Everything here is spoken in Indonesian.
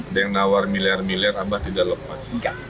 ada yang nawar miliar miliar abah tidak lepas